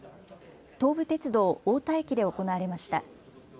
東武鉄道太田駅で行われました。